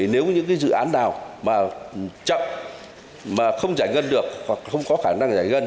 nếu những dự án nào mà chậm mà không giải ngân được hoặc không có khả năng giải ngân